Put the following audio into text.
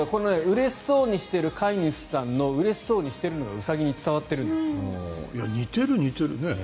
うれしそうにしている飼い主さんのうれしそうにしているのがウサギに伝わっているんです。